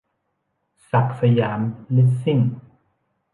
ศักดิ์สยามลิสซิ่ง